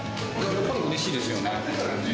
やっぱりうれしいですよね。